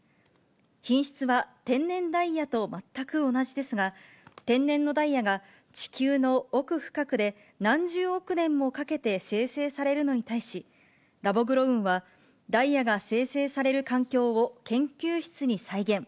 品質は天然ダイヤと全く同じですが、天然のダイヤが、地球の奥深くで何十億年もかけて生成されるのに対し、ラボグロウンは、ダイヤが生成される環境を研究室に再現。